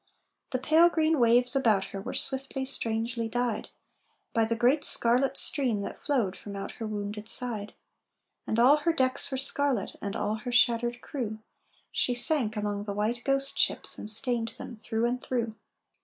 The pale green waves about her Were swiftly, strangely dyed, By the great scarlet stream that flowed From out her wounded side. And all her decks were scarlet And all her shattered crew. She sank among the white ghost ships And stained them through and through.